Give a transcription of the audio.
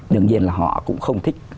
đương nhiên là họ cũng không thích